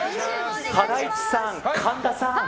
ハライチさん、神田さん